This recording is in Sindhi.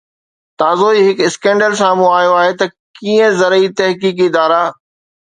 تازو ئي هڪ اسڪينڊل سامهون آيو آهي ته ڪيئن زرعي تحقيقي ادارا